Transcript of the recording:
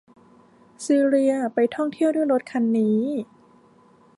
ซีเลียไปท่องเที่ยวด้วยรถคันนี้